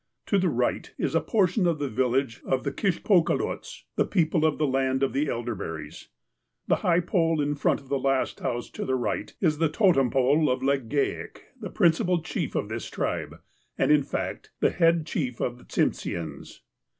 To the right is a portion of the village of the Kishpokaloats (the people of the land of the elderberries). The high pole, in front of the last house to the right, is the totem pole of Legale, the principal chief of this tribe, and, in fact, the head chief of the Tsimsheans.